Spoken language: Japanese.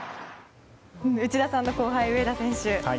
内田さんの後輩上田選手。